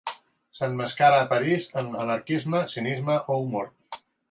S'emmascara a París, en anarquisme, cinisme o humor.